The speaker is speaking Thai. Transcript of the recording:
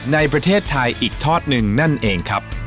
ในประเทศไทยอีกทอดหนึ่งนั่นเองครับ